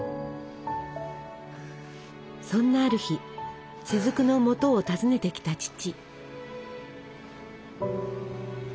そんなある日雫のもとを訪ねてきた父。